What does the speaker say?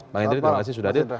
bang hendry terima kasih sudah ada